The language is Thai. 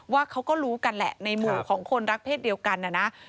ว่าเขาก็รู้กันแหละในหมู่ของคนรักเศษเดียวกันนะนะ